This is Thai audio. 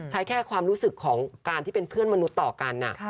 แค่ความรู้สึกของการที่เป็นเพื่อนมนุษย์ต่อกัน